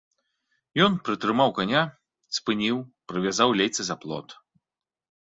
Ён прытрымаў каня, спыніў, прывязаў лейцы за плот.